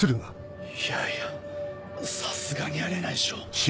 いやいやさすがにあり得ないでしょ。